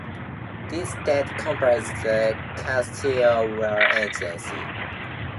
These states comprised the Kathiawar Agency.